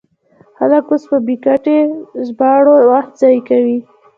خلک اوس په بې ګټې ژباړو وخت ضایع کوي.